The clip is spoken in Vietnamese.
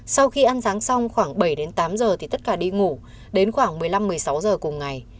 sau khi ăn sáng xong khoảng bảy tám h thì tất cả đi ngủ đến khoảng một mươi năm một mươi sáu h cùng ngày